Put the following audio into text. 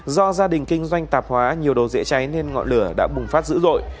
do gia đình kinh doanh tạp hóa nhiều đồ dễ cháy nên ngọn lửa đã bùng phát dữ dội